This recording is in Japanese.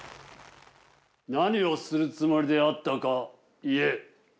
何をするつもりであったか言え。